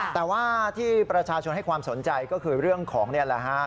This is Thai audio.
แต่ว่าที่ประชาชนให้ความสนใจก็คือเรื่องของนี่แหละฮะ